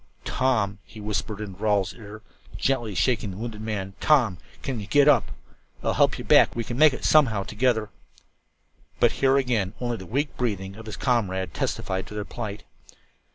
"Tom," he whispered into Rawle's ear, gently shaking the wounded man. "Tom, can you get up? I'll help you back. We can make it somehow together." But here again only the weak breathing of his comrade testified to their plight.